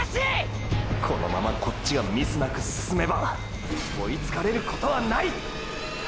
このままこっちがミスなく進めば追いつかれることはない！！